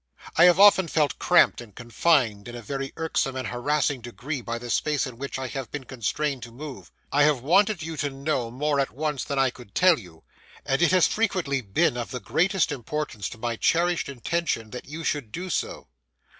I have often felt cramped and confined in a very irksome and harassing degree by the space in which I have been constrained to move. I have wanted you to know more at once than I could tell you; and it has frequently been of the greatest importance to my cherished intention, that you should do so.